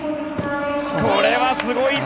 これはすごいぞ！